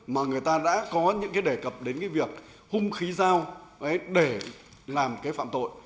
mà người ta đã có những cái đề cập đến cái việc hung khí dao để làm cái phạm tội